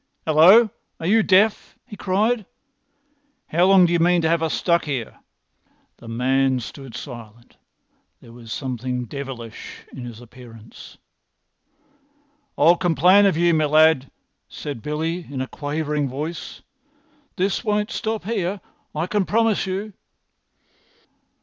"Hallo! Are you deaf?" he cried. "How long do you mean to have us stuck here?"[Pg 249] The man stood silent. There was something devilish in his appearance. "I'll complain of you, my lad," said Billy, in a quivering voice. "This won't stop here, I can promise you."